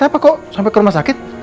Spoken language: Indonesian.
sakit apa kok sampai ke rumah sakit